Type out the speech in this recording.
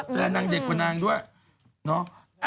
แฟนนั้งเด็กกว่านางนะ